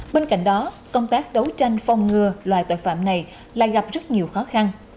bên cạnh đó công tác đấu tranh phong ngừa loài tội phạm này lại gặp rất nhiều khó khăn